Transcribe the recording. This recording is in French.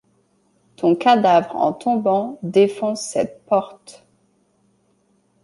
Ton cadavre en tombant défonce cette porte.